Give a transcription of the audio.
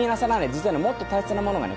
実はねもっと大切なものがね